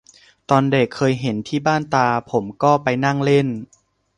ตอนเด็กเคยเห็นที่บ้านตา ผมก็ไปนั่งเล่น